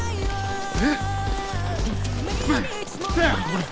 これ。